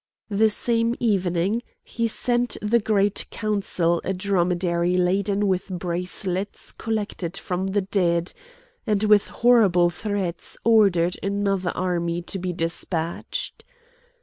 The same evening he sent the Great Council a dromedary laden with bracelets collected from the dead, and with horrible threats ordered another army to be despatched.